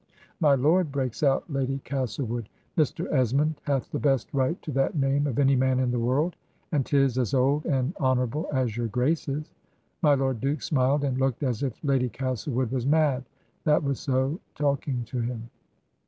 'My lord!' breaks out Lady Castlewood, 'Mr. Esmond hath the best right to that name of any man in the world : and 'tis as old and hon orable as your Grace's.' My Lord Duke smiled and looked as if Lady Castlewood was mad, that was so talking to him.